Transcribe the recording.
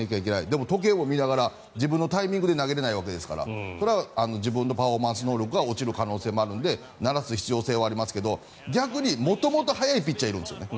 でも、時計も見ながら自分のタイミングで投げれないわけですからそれは自分のパフォーマンス能力が落ちる可能性もあるので慣らす必要性はありますけど逆に元々早いピッチャーもいるんですよ。